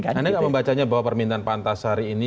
anda nggak membacanya bahwa permintaan pak antasari ini